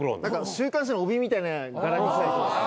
週刊誌の帯みたいな柄にしたり。